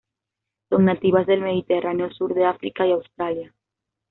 Son nativas del Mediterráneo, sur de África y Australia.